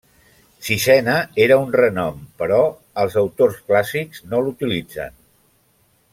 Sisena era un renom, però els autors clàssics no l'utilitzen.